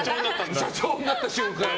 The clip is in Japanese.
社長になった瞬間。